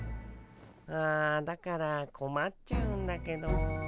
あだからこまっちゃうんだけど。